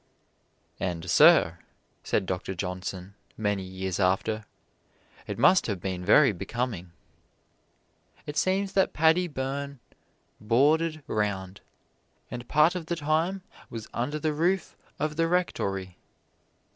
"And, Sir," said Doctor Johnson, many years after, "it must have been very becoming." It seems that Paddy Byrne "boarded round," and part of the time was under the roof of the rectory.